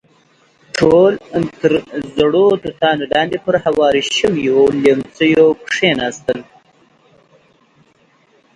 ټول تر زړو توتانو لاندې پر هوارو شويو ليمڅيو کېناستل.